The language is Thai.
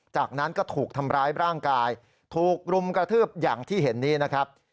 จากนั้นก็ถูกทำร้ายร่างกายถูกรุมกระทืบอย่างที่เห็นนี้นะครับ